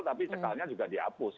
tapi cekalnya juga dihapus